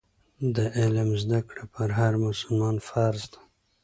د علم زده کړه پر هر مسلمان فرض ده.